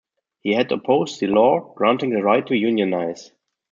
He had opposed the law granting the right to unionize.